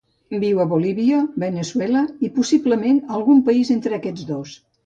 Viu a Bolívia, Veneçuela i, possiblement, algun país entre aquests dos.